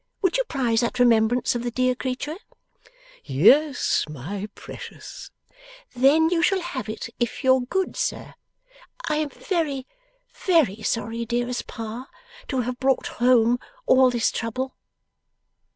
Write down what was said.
Would you prize that remembrance of the dear creature?' 'Yes, my precious.' 'Then you shall have it if you're good, sir. I am very, very sorry, dearest Pa, to have brought home all this trouble.